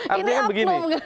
artinya kan begini